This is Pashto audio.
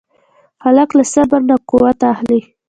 هلک له صبر نه قوت اخلي.